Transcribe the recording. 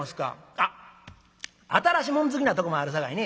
あっ新しもん好きなとこもあるさかいね